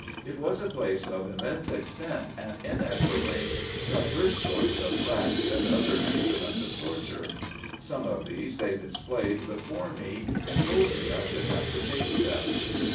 It was a place of immense extent, and in it were ranged divers sorts of racks, and other instruments of torture. Some of these they displayed before me and told me I should have to taste them."